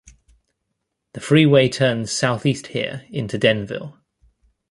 The freeway turns southeast here into Denville.